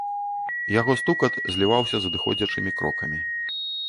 Яго стукат зліваўся з адыходзячымі крокамі.